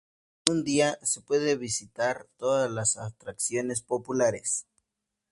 En un día, se puede visitar todas las atracciones populares.